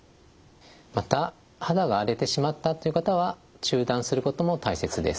また肌が荒れてしまったっていう方は中断することも大切です。